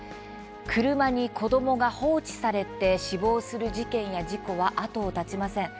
車に子どもが放置されて死亡する事件や事故は後を絶ちません。